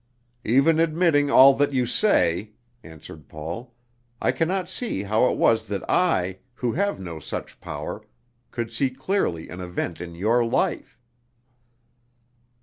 "Even admitting all that you say," answered Paul, "I can not see how it was that I, who have no such power, could see clearly an event in your life."